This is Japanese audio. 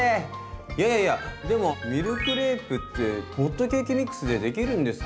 やややでもミルクレープってホットケーキミックスでできるんですか？